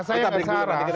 saya tidak sarah